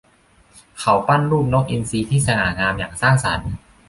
เขาปั้นรูปนกอินทรีที่สง่างามอย่างสร้างสรรค์